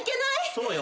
そうよ。